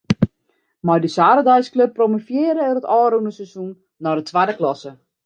Mei dy saterdeisklup promovearre er it ôfrûne seizoen nei de twadde klasse.